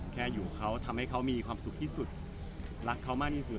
แค่อยู่เขาทำให้เขามีความสุขที่สุดรักเขามากที่สุด